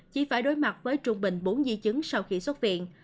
chỉ phải đối mặt với trung bình bốn di chứng sau khi xuất viện